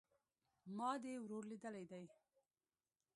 ما دي ورور ليدلى دئ